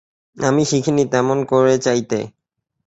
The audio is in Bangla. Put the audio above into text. আমি শিখি নি তেমন করে চাইতে।